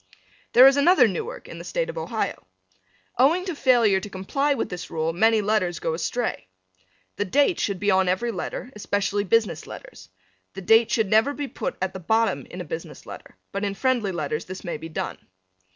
There is another Newark in the State of Ohio. Owing to failure to comply with this rule many letters go astray. The date should be on every letter, especially business letters. The date should never be put at the bottom in a business letter, but in friendly letters this may be done.